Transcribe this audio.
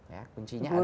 ya kuncinya adalah